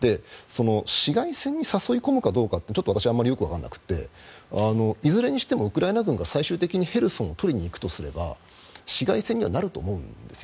市街戦に誘い込むかどうかって私はちょっとよくわからなくていずれにしてもウクライナ軍が最終的にヘルソンを取りに行くとすれば市街戦になるとは思うんです。